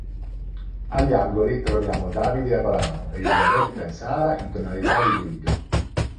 Agli angoli troviamo Davide e Abramo, Elisabetta e Sara in tonalità di grigio.